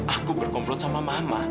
aku berkomplot sama mama